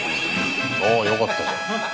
ああよかったじゃない。